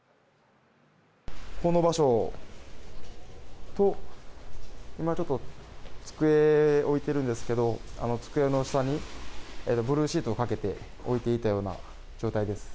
この場所と、今ちょっと机置いてるんですけど、あの机の下にブルーシートをかけて置いていたような状態です。